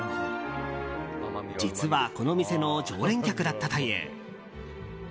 実はこの店の常連客だったという。